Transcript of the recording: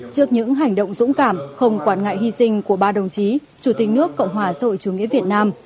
trước những hành động dũng cảm không quản ngại hy sinh của ba đồng chí chủ tịch nước cộng hòa xã hội chủ nghĩa việt nam